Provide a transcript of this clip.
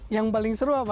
yang paling seru apa